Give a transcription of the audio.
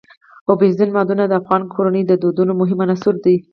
اوبزین معدنونه د افغان کورنیو د دودونو مهم عنصر دی.